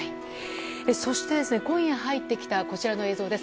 そして、今夜入ってきたこちらの映像です。